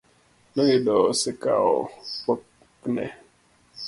Noyudo osekawo pokne.